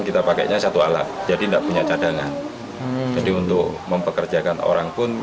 kita pakainya satu alat jadi enggak punya cadangan jadi untuk mempekerjakan orang pun